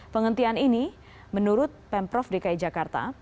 penghentian ini menurut pemprov dki jakarta